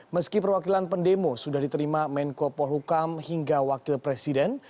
meski perwakilan pendemo sudah diterima menko polhukam hingga wakil presiden